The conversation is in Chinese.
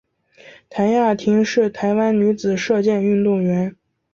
谭雅婷是台湾女子射箭运动员。